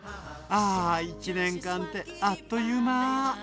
ああ１年間ってあっという間。